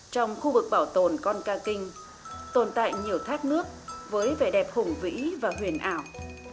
trong khu vực bảo tồn con ca kinh tồn tại nhiều thác nước với vẻ đẹp hùng vĩ và huyền ảo